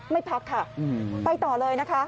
ไม่พักค่ะไปต่อเลยนะคะ